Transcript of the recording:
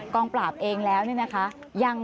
งปราบเองแล้วเนี่ยนะคะ